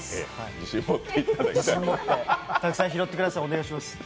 自信持って、たくさん拾ってください、お願いします。